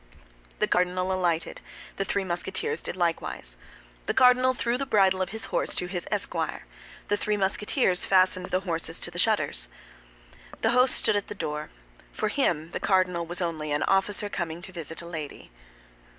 The cardinal alighted; the three Musketeers did likewise. The cardinal threw the bridle of his horse to his esquire; the three Musketeers fastened the horses to the shutters. The host stood at the door. For him, the cardinal was only an officer coming to visit a lady.